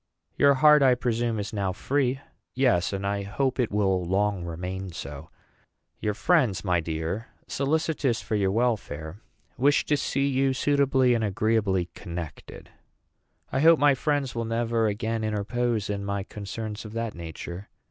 "Your heart, I presume, is now free." "Yes, and I hope it will long remain so." "Your friends, my dear, solicitous for your welfare, wish to see you suitably and agreeably connected." "I hope my friends will never again interpose in my concerns of that nature.